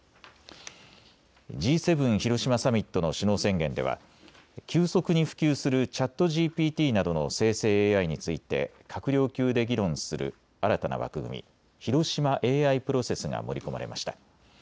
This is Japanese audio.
Ｇ７広島サミットの首脳宣言では急速に普及するＣｈａｔＧＰＴなどの生成ＡＩについて閣僚級で議論する新たな枠組み、広島ＡＩプロセスが盛り込まれました。